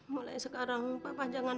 mulai sekarang bapak jangan